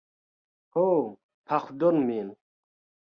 "Ho, pardonu min.